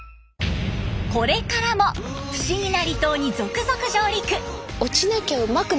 これからも不思議な離島に続々上陸！